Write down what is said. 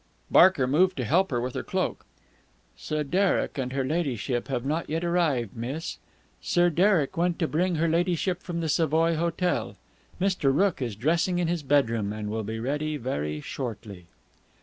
Barker moved to help her with her cloak. "Sir Derek and her ladyship have not yet arrived, miss. Sir Derek went to bring her ladyship from the Savoy Hotel. Mr. Rooke is dressing in his bedroom and will be ready very shortly."